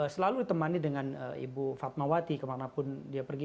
selalu ditemani dengan ibu fatmawati kemana pun dia pergi